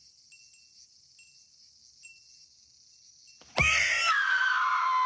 いや！